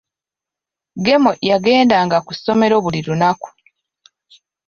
Gemo yagendanga ku ssomero buli lunaku.